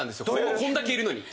こんだけいるのに。